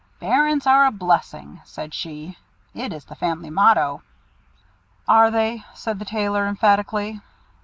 "Bairns are a blessing!" said she. "It is the family motto." "Are they?" said the Tailor emphatically.